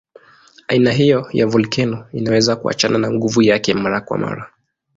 Aina hiyo ya volkeno inaweza kuachana na nguvu yake mara kwa mara.